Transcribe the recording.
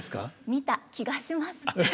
見た気がします。